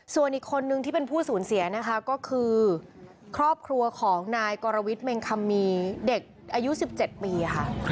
ส่วนอีกคนนึงที่เป็นผู้สูญเสียนะคะก็คือครอบครัวของนายกรวิทย์เมงคัมมีเด็กอายุ๑๗ปีค่ะ